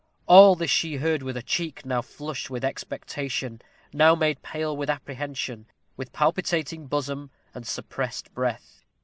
All this she heard with a cheek now flushed with expectation, now made pale with apprehension; with palpitating bosom, and suppressed breath.